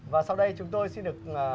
và sau đây chúng tôi xin được